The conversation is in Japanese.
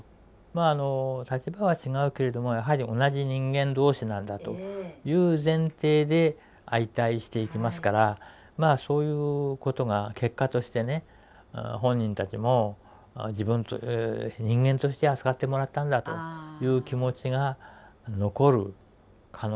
まああの立場は違うけれどもやはり同じ人間同士なんだという前提で相対していきますからまあそういうことが結果としてね本人たちも人間として扱ってもらったんだという気持ちが残る可能性はありますよね。